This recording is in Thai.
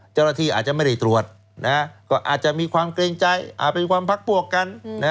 เจ้าหน้าที่อาจจะไม่ได้ตรวจก็อาจจะมีความเกรงใจเป็นความพักพวกกัน